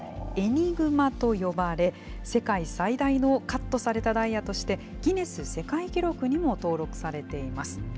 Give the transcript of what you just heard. エニグマと呼ばれ、世界最大のカットされたダイヤとして、ギネス世界記録にも登録されています。